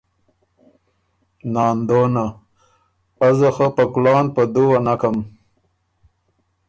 ناندونه: ازه خه په کلان په دُوه نکم،